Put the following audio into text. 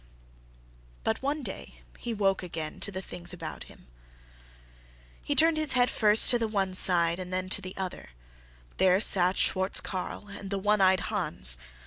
But one day he woke again to the things about him. He turned his head first to the one side and then to the other; there sat Schwartz Carl and the one eyed Hans.